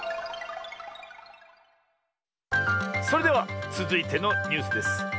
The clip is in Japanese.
それではつづいてのニュースです。